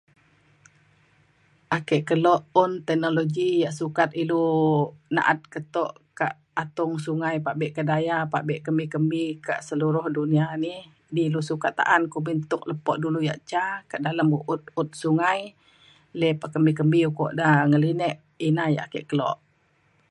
ake kelo un teknologi yak sukat ilu na’at keto kak atung sungai pabe kedaya pabe kembi kembi kak seluruh dunia ni. ni ilu sukat ta’an kumbin tuk lepo dulu yak ca kak dalem u’ut ut sungai le pa kembi ukok da ngelinek ina yak ake kelo.